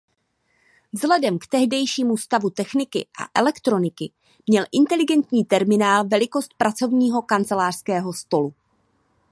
Vzhledem k tehdejšímu stavu techniky a elektroniky měl inteligentní terminál velikost pracovního kancelářského stolu.